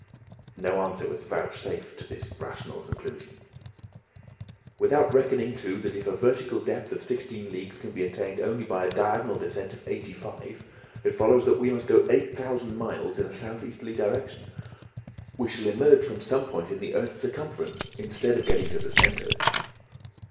No answer was vouchsafed to this rational conclusion. "Without reckoning, too, that if a vertical depth of sixteen leagues can be attained only by a diagonal descent of eighty four, it follows that we must go eight thousand miles in a south easterly direction; so that we shall emerge from some point in the earth's circumference instead of getting to the centre!"